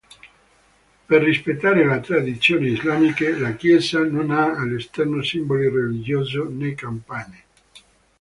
Per rispettare le tradizioni islamiche, la chiesa non ha all'esterno simboli religiosi né campane.